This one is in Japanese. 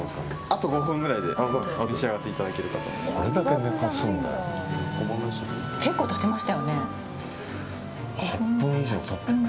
あと５分ぐらいで召し上がっていただけると思います。